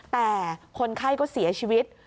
แต่คนไข้ก็เสียชีวิต